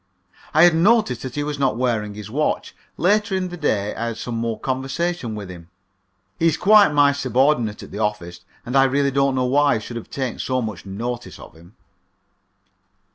I had noticed that he was not wearing his watch. Later in the day I had some more conversation with him. He is quite my subordinate at the office, and I really don't know why I should have taken so much notice of him.